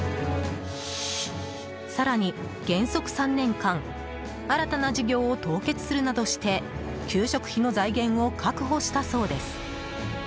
更に、原則３年間新たな事業を凍結するなどして給食費の財源を確保したそうです。